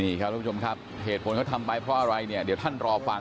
โอเคครับผมรับผิดชอบผมก็รับผิดชอบไป